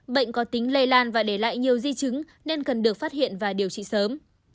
bệnh có tính lây lan và để lại nhiều di chứng nên cần được phát hiện và điều trị sớm